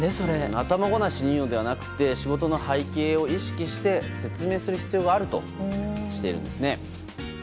頭ごなしに言うのではなくて仕事の背景を意識して説明する必要があるとしているんですね。